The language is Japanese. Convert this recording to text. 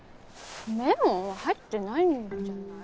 メロンは入ってないんじゃない？